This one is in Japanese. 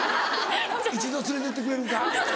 一度連れてってくれるか？